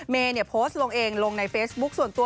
เมย์เนี่ยโพสต์ลงเองลงในเฟซบุ๊คส่วนตัว